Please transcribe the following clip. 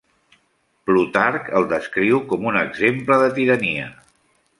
Plutarc el descriu com un exemple de tirania.